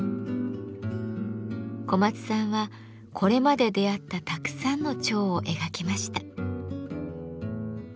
小松さんはこれまで出会ったたくさんの蝶を描きました。